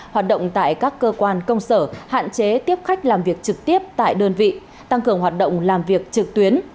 hoạt động tại các cơ quan công sở hạn chế tiếp khách làm việc trực tiếp tại đơn vị tăng cường hoạt động làm việc trực tuyến